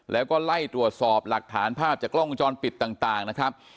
แล้วก็ไล่ตรวจสอบหลักฐานภาพจากกล้องวงจรปิดต่างนะครับ